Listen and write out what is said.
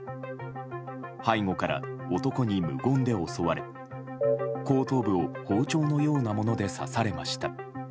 背後から男に無言で襲われ後頭部を包丁のようなもので刺されました。